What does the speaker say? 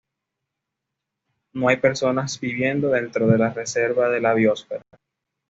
No hay personas viviendo dentro de la reserva de la biosfera.